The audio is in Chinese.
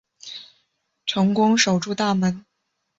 成功守住大门